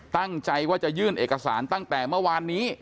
ตั้งใจว่าจะยื่นเอกสารตั้งแต่เมื่อวานนี้